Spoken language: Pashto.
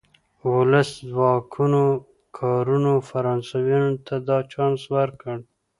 ولسي ځواکونو کارونې فرانسویانو ته دا چانس ورکړ.